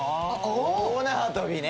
大縄跳びね。